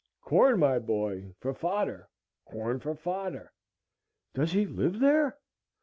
"Corn, my boy, for fodder; corn for fodder." "Does he live there?"